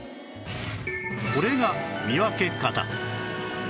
これが見分け方